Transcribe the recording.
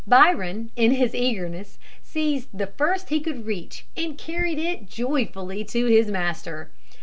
Byron, in his eagerness, seized the first he could reach, and carried it joyfully to his master.